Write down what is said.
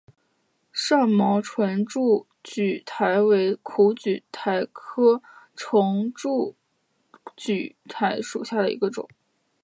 少毛唇柱苣苔为苦苣苔科唇柱苣苔属下的一个种。